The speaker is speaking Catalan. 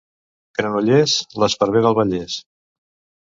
Granollers, l'esparver del Vallès.